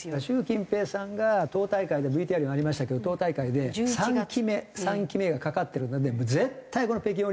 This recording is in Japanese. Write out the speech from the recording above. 習近平さんが党大会でＶＴＲにもありましたけど党大会で３期目３期目が懸かってるので。